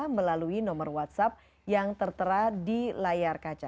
melalui nomor whatsapp yang tertera di layar kaca